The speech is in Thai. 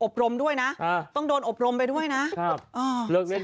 รมด้วยนะอ่าต้องโดนอบรมไปด้วยนะครับอ่าเลิกเล่น